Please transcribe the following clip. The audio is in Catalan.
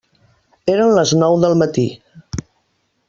Eren les nou del matí.